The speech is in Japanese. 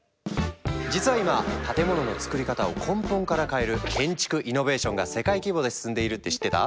実は今建物のつくり方を根本から変える建築イノベーションが世界規模で進んでいるって知ってた？